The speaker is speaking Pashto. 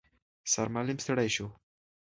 سرمعلم ستړی شو.